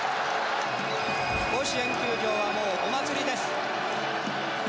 甲子園球場はもうお祭りです。